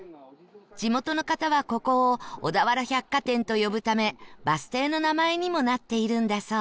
地元の方はここを小田原百貨店と呼ぶためバス停の名前にもなっているんだそう